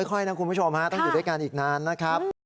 ค่อยนะคุณผู้ชมฮะต้องอยู่ด้วยกันอีกนานนะครับ